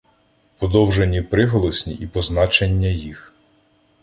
Подовжені приголосні і позначення їх